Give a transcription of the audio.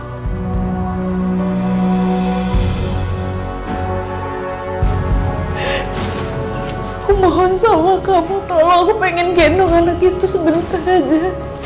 aku mohon sama kamu tolong aku pengen gendong anak itu sebentar aja